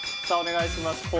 さあお願いします。